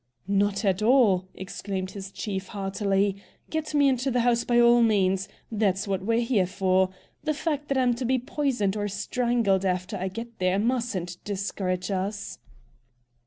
"Not at all!" exclaimed his chief heartily. "Get me into the house by all means; that's what we're here for. The fact that I'm to be poisoned or strangled after I get there mustn't discourage us.'"